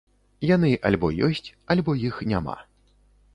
Яны альбо ёсць, альбо іх няма.